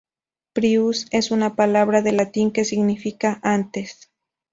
Prius es una palabra del latín que significa "antes".